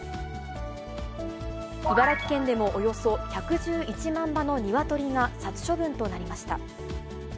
茨城県でもおよそ１１１万羽の鶏が殺処分となりました。